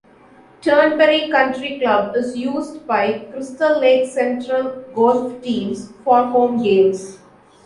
Turnberry Country Club is used by Crystal Lake Central golf teams for home games.